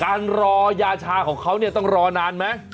การรอยาชาของเขาเนี่ยต้องรอนานไหม